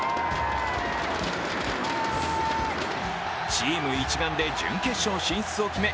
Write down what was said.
チーム一丸で準決勝進出を決め